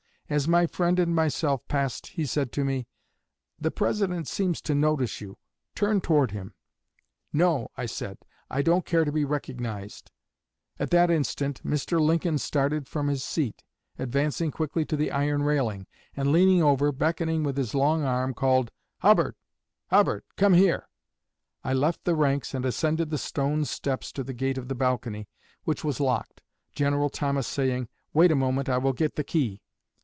As my friend and myself passed he said to me, 'The President seems to notice you turn toward him.' 'No,' I said, 'I don't care to be recognized.' At that instant Mr. Lincoln started from his seat, advancing quickly to the iron railing, and leaning over, beckoning with his long arm, called: 'Hubbard! Hubbard! come here!' I left the ranks and ascended the stone steps to the gate of the balcony, which was locked, General Thomas saying, 'Wait a moment, I will get the key.'